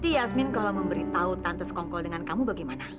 yasmin kalau memberitahu tante skongkol dengan kamu bagaimana